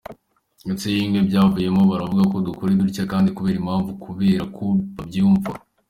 Ndetse bimwe byabavuyemo baravuga ngo dukore dutya kandi kubera impamvu, kubera ko babyumva.